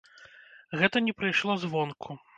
Гэта не прыйшло звонку.